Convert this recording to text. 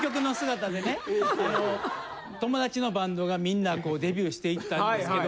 友達のバンドがみんなこうデビューしていったんですけど